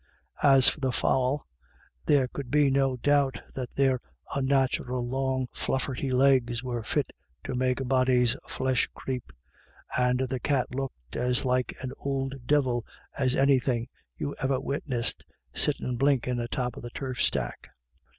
As for the fowl, there could be no doubt that their "onnathural long flufferty legs were fit to make a body's flesh creep," and the cat looked " as like an ould divil as any thin' you ever witnessed, sittin' blinkin' atop of the turf stack."